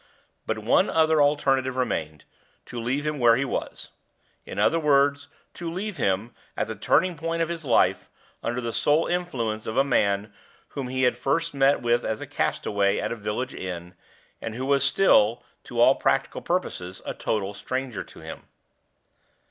But one other alternative remained to leave him where he was. In other words, to leave him, at the turning point of his life, under the sole influence of a man whom he had first met with as a castaway at a village inn, and who was still, to all practical purposes, a total stranger to him.